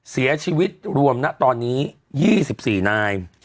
เสียชีวิตรวมนะตอนนี้๒๔นาย